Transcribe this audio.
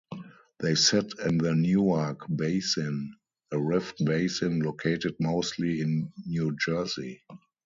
They sit in the Newark Basin, a rift basin located mostly in New Jersey.